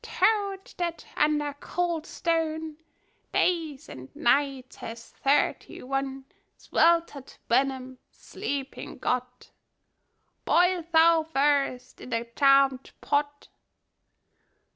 — Toad, that under cold stone Days and nights has thirty one Swelter'd venom sleeping got, Boil thou first i' th' charmed pot!